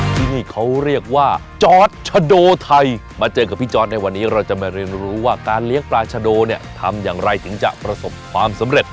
ที่นี่เขาเรียกว่าจอร์ดชะโดไทยมาเจอกับพี่จอร์ดในวันนี้เราจะมาเรียนรู้ว่าการเลี้ยงปลาชะโดเนี่ยทำอย่างไรถึงจะประสบความสำเร็จ